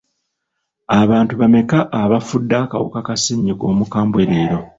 Abantu bameka abafudde akawuka ka ssenyiga omukambwe leero?